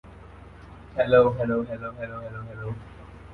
In many cases, the use of a screensaver is impractical.